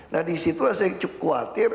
nah disitu saya kuatir